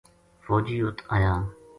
فوجی اُت آیا